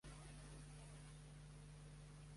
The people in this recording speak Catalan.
S'anomena com el riu Ombrone.